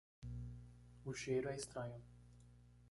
O cheiro é estranho.